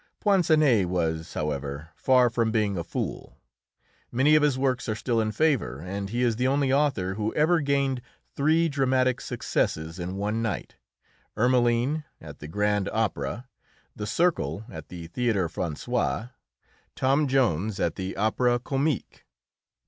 Poinsinet was, however, far from being a fool. Many of his works are still in favour, and he is the only author who ever gained three dramatic successes in one night: "Ermeline," at the Grand Opéra; "The Circle," at the Théâtre Française; "Tom Jones," at the Opéra Comique.